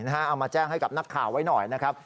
เอามาแจ้งให้กับนักข่าวไว้หน่อยนะครับ